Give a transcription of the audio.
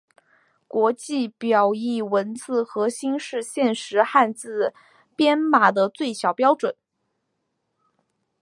国际表意文字核心是现时汉字编码的最小标准。